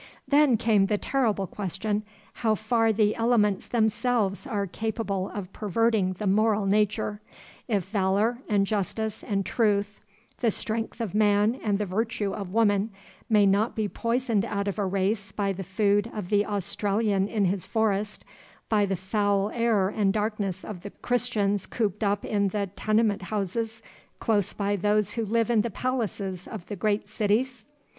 Then came the terrible question, how far the elements themselves are capable of perverting the moral nature: if valor, and justice, and truth, the strength of man and the virtue of woman, may not be poisoned out of a race by the food of the Australian in his forest, by the foul air and darkness of the Christians cooped up in the "tenement houses" close by those who live in the palaces of the great cities?